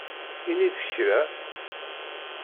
Ini-d kra.